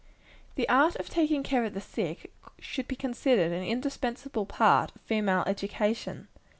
The art of taking care of the sick, should be considered an indispensable part of female education.